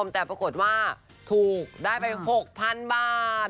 แต่ปรากฏว่าถูกได้ไป๖๐๐๐บาท